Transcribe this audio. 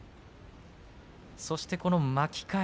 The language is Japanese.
そして巻き替え。